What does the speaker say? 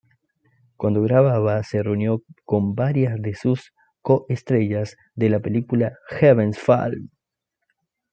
Cuando grababa se reunió con varias de sus co-estrellas de la película, "Heavens Fall".